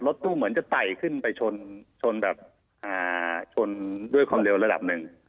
ตู้เหมือนจะไตขึ้นไปชนแบบชนด้วยความเร็วระดับหนึ่ง